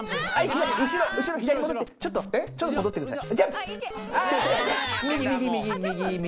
今ちょっと待ってください